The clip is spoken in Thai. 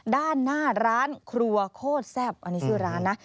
ด้านหน้าร้านครัวโคตรแซ่บอันนี้ชื่อร้านนะ